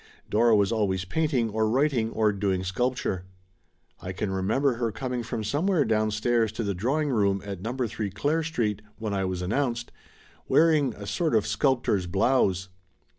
Dora was always painting or writing or doing sculpture. I can remember her com ing from somewhere downstairs to the drawing room at [viii] DORA SIGERSON No. 8, Clare Street, when I was announced, wearing a sort of sculptor's blouse.